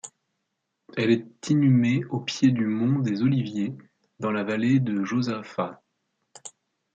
Elle est inhumée au pied du mont des Oliviers dans la vallée de Josaphat.